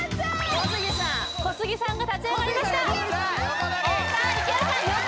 小杉さん小杉さんが立ち上がりましたいけわあ！